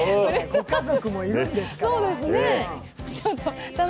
ご家族もいるんですから。